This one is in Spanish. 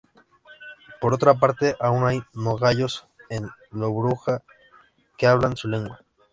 Por otra parte, aún hay nogayos en Dobruja que hablan su lengua.